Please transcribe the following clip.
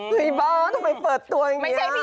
เฮ้ยบ้าบ้าทำไมเปิดตัวอย่างนี้